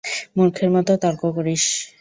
মূর্খের মত তর্ক করিস।